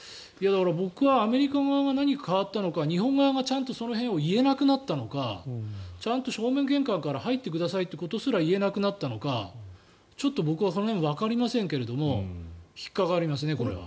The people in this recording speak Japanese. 僕はアメリカ側が何か変わったのか日本側がちゃんとその辺を言えなくなったのかちゃんと正面玄関から入ってくださいということすら言えなくなったのかちょっと僕はわかりませんが引っかかりますね、これは。